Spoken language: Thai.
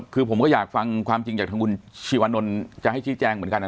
คือผมก็อยากฟังความจริงจากทางคุณชีวานนท์จะให้ชี้แจงเหมือนกันนะ